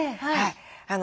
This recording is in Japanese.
はい。